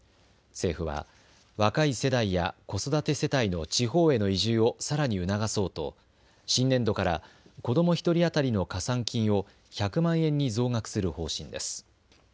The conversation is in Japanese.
政府は若い世代や子育て世帯の地方への移住をさらに促そうと新年度から子ども１人当たりの加算金を１００万円に増額する方針です。